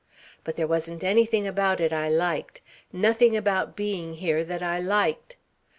But there wasn't anything about it I liked. Nothing about being here that I liked....